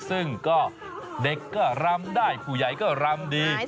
ซึ่งก็เด็กก็รำได้ผู้ใหญ่ก็รำดี